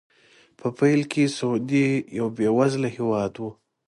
په پیل کې سعودي یو بې وزله هېواد و.